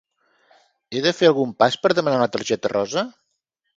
He de fer algun pas per demanar la targeta rosa?